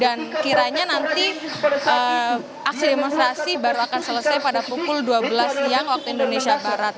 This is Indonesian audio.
dan kiranya nanti aksi demonstrasi baru akan selesai pada pukul dua belas siang waktu indonesia barat